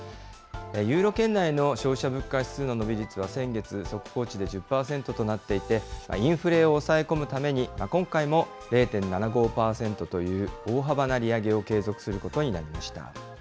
ユーロ圏内の消費者物価指数の伸び率は先月、速報値で１０％となっていて、インフレを押さえ込むために、今回も０．７５％という大幅な利上げを継続することになりました。